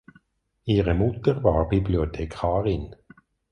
Ihre Mutter war Bibliothekarin.